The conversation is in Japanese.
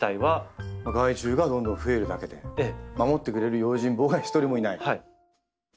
害虫がどんどんふえるだけで守ってくれる用心棒が一人もいない。